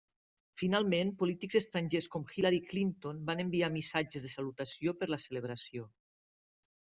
Finalment, polítics estrangers com Hillary Clinton van enviar missatges de salutació per la celebració.